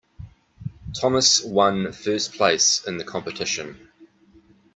Thomas one first place in the competition.